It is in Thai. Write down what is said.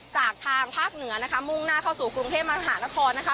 จากทางภาคเหนือนะคะมุ่งหน้าเข้าสู่กรุงเทพมหานครนะคะ